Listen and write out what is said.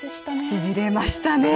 しびれましたね。